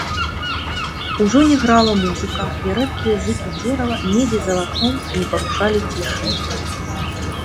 Ужо не грала музыка, і рэдкія зыкі дзерава недзе за акном не парушалі цішы.